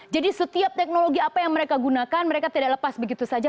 jadi setiap teknologi apa yang mereka gunakan mereka tidak lepas begitu saja